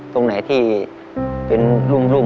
ตรงไหนที่เป็นรุ่ม